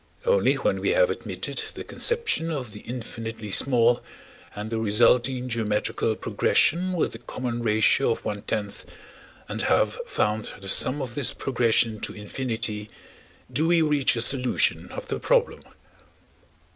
Only when we have admitted the conception of the infinitely small, and the resulting geometrical progression with a common ratio of one tenth, and have found the sum of this progression to infinity, do we reach a solution of the problem.